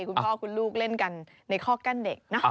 คุณพ่อคุณลูกเล่นกันในข้อกั้นเด็กนะ